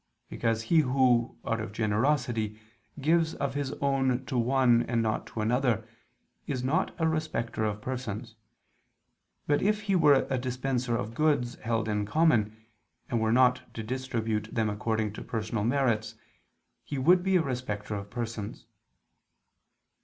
Because he who, out of generosity, gives of his own to one and not to another, is not a respecter of persons: but if he were a dispenser of goods held in common, and were not to distribute them according to personal merits, he would be a respecter of persons.